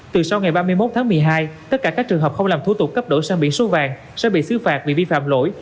từ sau ngày ba mươi một tháng một mươi hai tất cả các trường hợp không làm thủ tục cấp đổi sang biển số vàng sẽ bị xứ phạt vì vi phạm lỗi